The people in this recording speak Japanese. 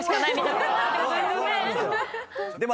でも。